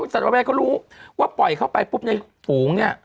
สัตวแพทย์ก็รู้ว่าปล่อยเข้าไปปุ๊บในฝูงเนี่ย